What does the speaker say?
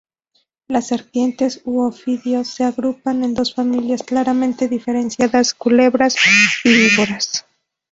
Las serpientes, u ofidios se agrupan en dos familias claramente diferenciadas, culebras y víboras.